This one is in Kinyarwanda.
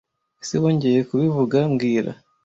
Ees Wongeye kubivuga mbwira